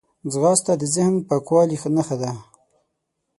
ځغاسته د ذهن پاکوالي نښه ده